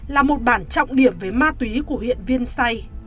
là một bản trọng điểm với ma túy của huyện viên say